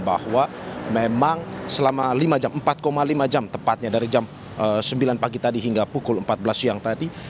bahwa memang selama lima jam empat lima jam tepatnya dari jam sembilan pagi tadi hingga pukul empat belas siang tadi